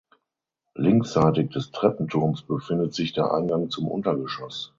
Linksseitig des Treppenturms befindet sich der Eingang zum Untergeschoss.